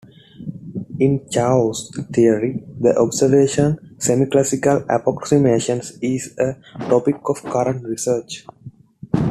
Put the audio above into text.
In chaos theory, the observation semiclassical approximations is a topic of current research.